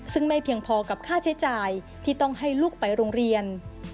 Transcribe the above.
ซึ่งไม่เพียงพอกับค่าใช้จ่ายที่ต้องให้ลูกไปโรงเรียน